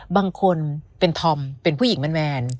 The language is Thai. บางคนเป็นธอมเป็นผู้หญิงแมน